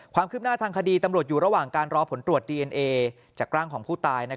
ความคืบหน้าทางคดีตำรวจอยู่ระหว่างการรอผลตรวจดีเอ็นเอจากร่างของผู้ตาย